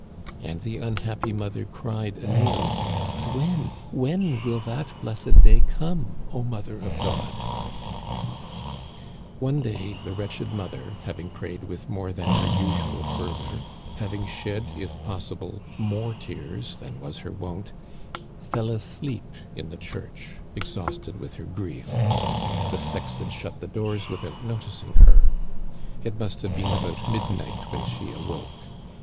And the unhappy mother cried anew :"* But when, when will that blessed day come, O Mother of God ?''* One day the wretched mother, having prayed with more than her usual fervor, having shed, if possible, Digitized by VjOOQIC MADAME I^HABERVILLE'S STORY. i6î more tears than was her wont, fell asleep in the church, exhausted with her grief. The sexton shut the doors without noticing her. It must have been about mid night when she awoke.